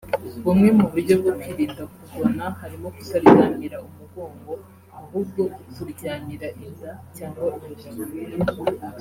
Bumwe mu buryo bwo kwirinda kugona harimo kutaryamira umugongo ahubwo ukuryamira inda cyangwa urubavu